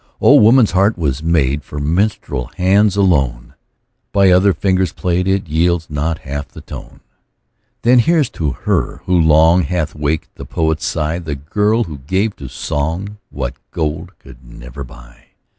Oh! woman's heart was made For minstrel hands alone; By other fingers played, It yields not half the tone. Then here's to her, who long Hath waked the poet's sigh, The girl who gave to song What gold could never buy.